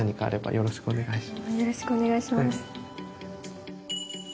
よろしくお願いします